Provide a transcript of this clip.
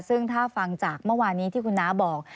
ซึ่งถ้าฟังจากเมื่อวานี้ที่คุณน้าบอก